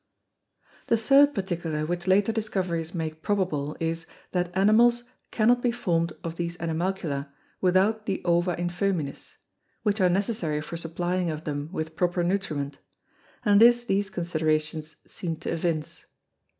The third Particular which later Discoveries make probable, is, that Animals cannot be formed of these Animalcula without the Ova in fœminis, which are necessary for supplying of them with proper Nutriment: And this these Considerations seem to evince.